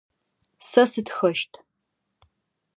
Сэ сытхэщт.